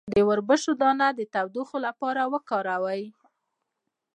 د وربشو دانه د تودوخې لپاره وکاروئ